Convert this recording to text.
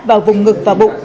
vào vùng ngực và bụng